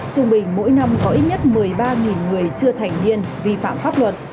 trung bình mỗi năm có ít nhất một mươi ba người chưa thành niên vi phạm pháp luật